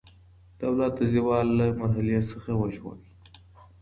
دولت د زوال له مرحلې څخه وژغورئ.